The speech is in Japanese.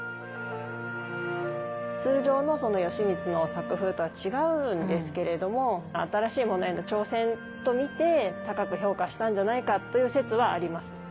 通常のその吉光の作風とは違うんですけれども新しいものへの挑戦と見て高く評価したんじゃないかという説はあります。